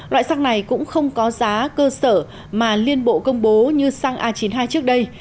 loại xăng này cũng không có giá cơ sở mà liên bộ công bố như xăng a chín mươi hai trước đây